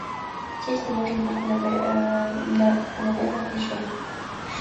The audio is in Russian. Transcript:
Здесь не может быть мгновенных решений.